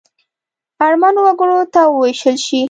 اړمنو وګړو ته ووېشل شي.